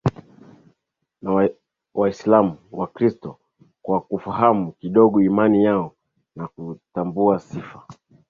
na Waislamu Kikristo kwa kufahamu kidogo imani yao na kutambua sifa